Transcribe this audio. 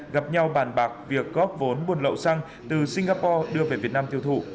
gặp nhau bàn bạc việc góp vốn buôn lậu xăng từ singapore đưa về việt nam tiêu thụ